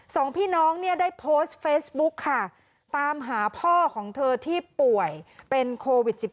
สองพี่น้องเนี่ยได้โพสต์เฟซบุ๊กค่ะตามหาพ่อของเธอที่ป่วยเป็นโควิด๑๙